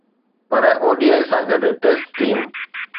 پر ODI سان گڏ، test team